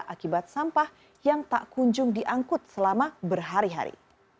akibat sampah yang tak kunjung diangkut selama berhari hari